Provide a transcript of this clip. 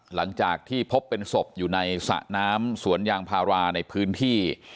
หลังจากที่พบเป็นศพอยู่ในสระน้ำสวนยางพาราในพื้นที่